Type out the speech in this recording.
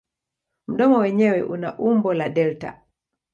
Mdomo wenyewe una umbo la delta.